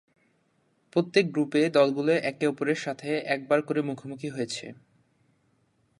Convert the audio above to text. প্রত্যেক গ্রুপে, দলগুলো একে অপরের সাথে একবার করে মুখোমুখি হয়েছে।